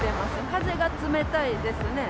風が冷たいですね。